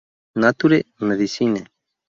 Nature Medicine.